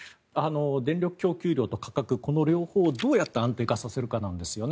電力供給量と価格この両方をどうやって安定させるかなんですよね。